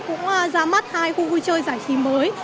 cũng ra mắt hai khu vui chơi giải trí mới